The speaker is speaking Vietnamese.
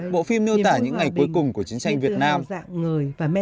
bộ phim nêu tả những ngày cuối cùng của chiến tranh việt nam